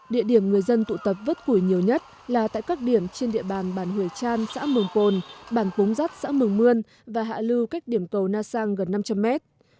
địa điểm người dân tụ tập vứt củi nhiều nhất là tại các điểm trên địa bàn bản hủy chan xã mường pồn bản cúng rắt xã mường mươn và hạ lưu cách điểm cầu na sang gần năm trăm linh mét